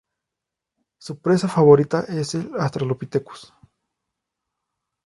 Su presa favorita es el "Australopithecus".